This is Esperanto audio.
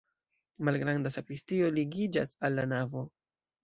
Malgranda sakristio ligiĝas al la navo.